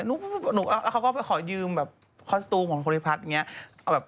แล้วเขาก็ไปขอยืมแบบคอสตูมของภูริพัฒน์อย่างนี้